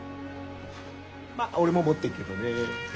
まあ俺も持ってっけどね。